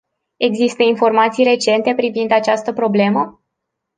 Există informații recente privind această problemă?